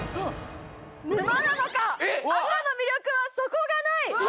「沼なのかアパの魅力は底がない」うわ！